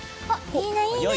いいねいいね